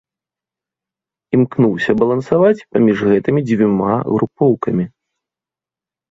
Імкнуўся балансаваць паміж гэтымі дзвюма групоўкамі.